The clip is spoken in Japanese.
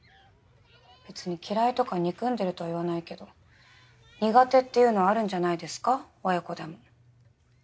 別に嫌いとか憎んでるとは言わないけど苦手っていうのはあるんじゃないですか親子でも。